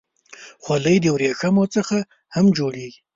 خولۍ د ورېښمو څخه هم جوړېږي.